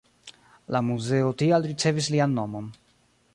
La muzeo tial ricevis lian nomon.